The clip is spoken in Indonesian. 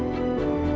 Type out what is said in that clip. tuhan yang berkata